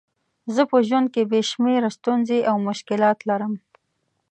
زه په ژوند کې بې شمېره ستونزې او مشکلات لرم.